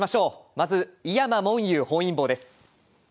まず井山文裕本因坊です。